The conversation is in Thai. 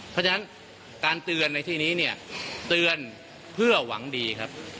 เพราะฉะนั้นการเตือนในที่นี้เนี่ยเตือนเพื่อหวังดีครับ